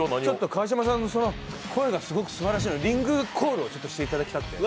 川島さん、声がすごくすばらしいのでリングコールをしていただきたくて。